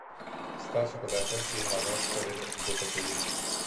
ستاسو په داخل کې هغه شخړې در په ګوته کوي.